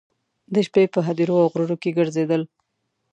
د شپې په هدیرو او غرونو کې ګرځېدل.